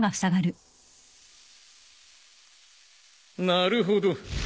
なるほど。